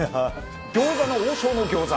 餃子の王将の餃子。